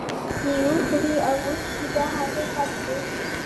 چې وخوري او وڅکي دا حقیقت دی.